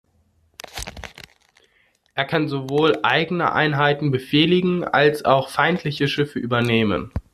Er kann sowohl eigene Einheiten befehligen als auch feindliche Schiffe übernehmen.